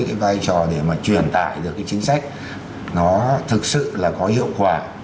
cái vai trò để mà truyền tải được cái chính sách nó thực sự là có hiệu quả